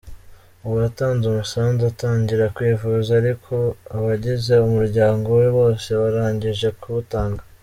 Uwatanze umusanzu atangira kwivuza ari uko abagize umuryango we bose barangije kuwutanga.